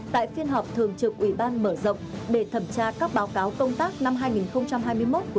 tại phiên họp thường trực ủy ban mở rộng để thẩm tra các báo cáo công tác năm hai nghìn hai mươi một của